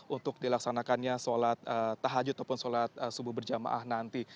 untuk dilaksanakannya sholat tahajud ataupun sholat subuh berjamaah nanti